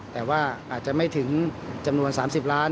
แต่ว่าอาจจะไม่ถึงจำนวน๓๐ล้าน